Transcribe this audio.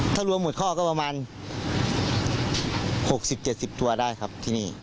ถ้ารวมหมดข้อก็ประมาณ๖๐๗๐ตัวได้ครับที่นี่